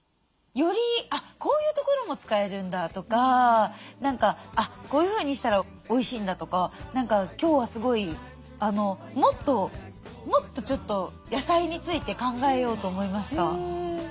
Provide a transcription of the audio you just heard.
よりこういうところも使えるんだとか何かこういうふうにしたらおいしいんだとか何か今日はすごいもっともっとちょっと野菜について考えようと思いました。